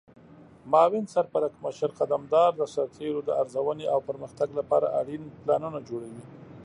معاون سرپرکمشر قدمدار د سرتیرو د ارزونې او پرمختګ لپاره اړین پلانونه جوړوي.